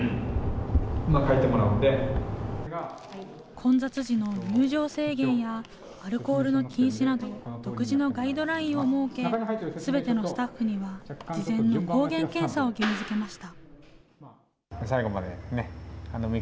混雑時の入場制限や、アルコールの禁止など、独自のガイドラインを設け、すべてのスタッフには事前の抗原検査を義務づけました。